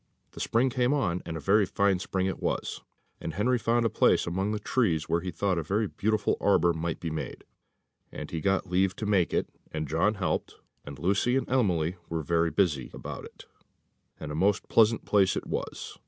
The spring came on, and a very fine spring it was; and Henry found a place among the trees where he thought a very beautiful arbour might be made, and he got leave to make it, and John helped, and Lucy and Emily were very busy about it, and a most pleasant place it was.